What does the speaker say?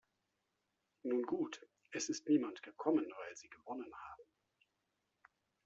Nun gut, es ist niemand gekommen, weil sie gewonnen haben!